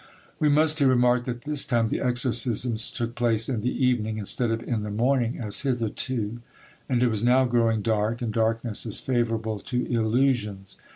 We must here remark that this time the exorcisms took place in the evening, instead of in the morning as hitherto; and it was now growing dark, and darkness is favourable to illusions.